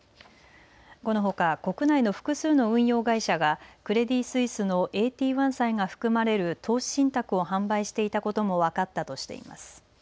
このほか国内の複数の運用会社がクレディ・スイスのＡＴ１債が含まれる投資信託を販売していたことも分かったとしています。